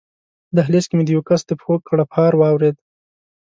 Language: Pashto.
په دهلېز کې مې د یوه کس د پښو کړپهار واورېد.